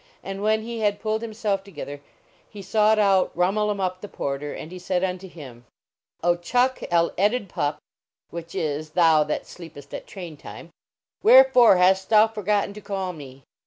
And when he had pulled himself together he sought out Rhumul em Uhp the Porter, and he said unto him : "O Chuck el edded Pup" (which is, thou that sleepest at train time), "when fore hast thou forgotten to call me?"